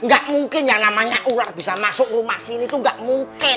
gak mungkin yang namanya ular bisa masuk rumah sini tuh gak mungkin